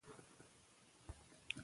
که موږ په پښتو وغږیږو، نو اړیکې نږدې وي.